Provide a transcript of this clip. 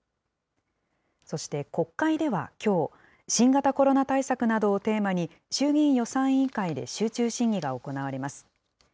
そして、国会ではきょう、新型コロナ対策などをテーマに、衆議院予算委員会で集中審議が行われます。